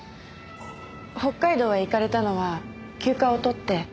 北海道へ行かれたのは休暇を取って？